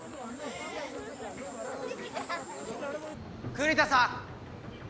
栗田さん！